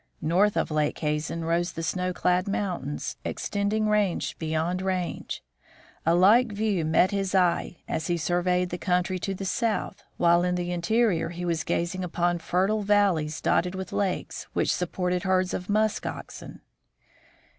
North of Lake Hazen rose the snow clad mountains, extending range beyond range. A like view met his eye as he surveyed the country to the south, while in the interior he was gazing upon fertile valleys dotted with lakes, which supported herds of musk oxen.